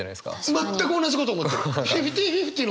全く同じこと思ってる！